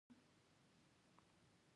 افغانستان کې د پسه د پرمختګ هڅې روانې دي.